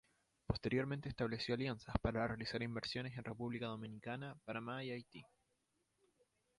Posteriormente estableció alianzas para realizar inversiones en República Dominicana, Panamá y Haití.